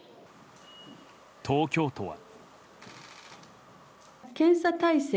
東京都は。